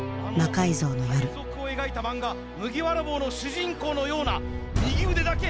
海賊を描いた漫画麦わら帽の主人公のような右腕だけ。